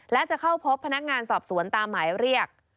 และจะเข้าพบพนักงานสอบสวนตามหมายเรียก